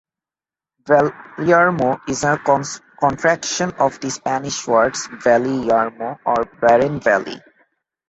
"Valyermo" is a contraction of the Spanish words "valle yermo", or "barren valley".